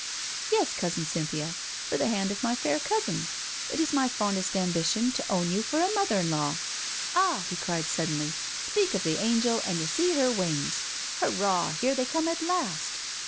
" Yes, Cousin Cynthia, for the hand of my fair cousin. It is my fondest ambition to own you for a mother in law. Ahl" he cried suddenly, "speak of the angel and you see her wings 1 Hurrah, here they come at last."